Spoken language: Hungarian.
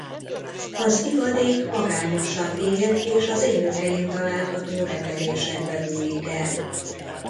Az ivadék magányosan él és az élőhelyén található repedésekbe bújik el.